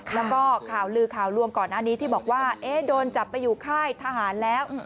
แล้วก็ข่าวลือข่าวรวมก่อนหน้านี้ที่บอกว่าโดนจับไปอยู่ค่ายทหารแล้ว